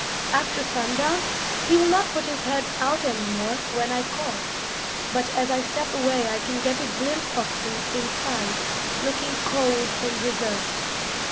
After sundown, he will not put his head out any more when I call, but as I step away I can get a glimpse of him inside looking cold and reserved.